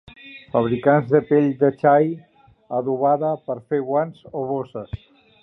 Fabricants de pell de xai adobada per fer guants o bosses.